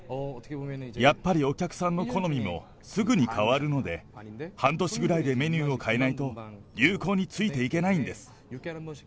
やっぱりお客さんの好みもすぐに変わるので、半年ぐらいでメニューを変えないと、流行についていけないんです。